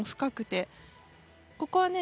ここはね